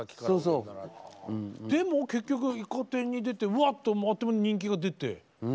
でも結局「イカ天」に出てわっとあっという間に人気が出て。